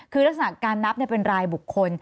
คือลักษณะการนับเป็นรายบุคคล